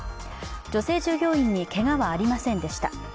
女性従業員に、けがはありませんでした。